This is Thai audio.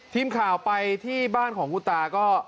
ทีมข่าวไปที่บ้านของคุณตาก็